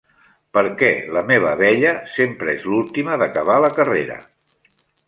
Per què la meva abella sempre és l'última d'acabar la carrera?